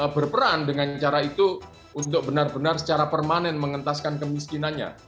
berperan dengan cara itu untuk benar benar secara permanen mengentaskan kemiskinannya